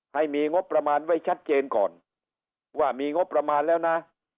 ให้มีงบประมาณไว้ชัดเจนก่อนว่ามีงบประมาณแล้วนะ